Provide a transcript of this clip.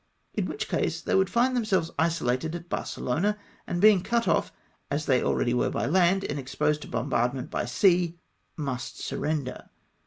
In which case they would find themselves isolated at Barcelona ; and being cut off, as they already were by land, and exposed to bombardment by sea, must surrender.